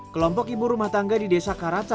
kelompok ibu rumah tangga di desa karasa